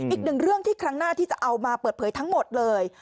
อีกหนึ่งเรื่องที่ครั้งหน้าที่จะเอามาเปิดเผยทั้งหมดเลย